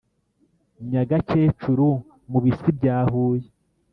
nyagakecuru mu bisi bya huye